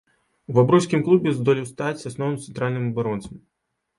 У бабруйскім клубе здолеў стаць асноўным цэнтральным абаронцам.